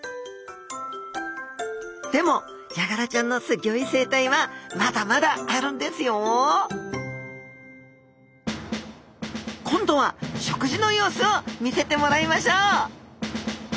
でもヤガラちゃんのすギョい生態はまだまだあるんですよ今度は食事の様子を見せてもらいましょう！